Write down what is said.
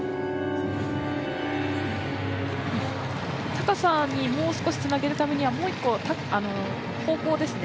高さにもう少し、つなげるためにはもう一個方向ですね。